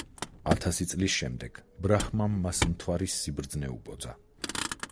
ათასი წლის შემდეგ ბრაჰმამ მას მთვარის სიბრძნე უბოძა.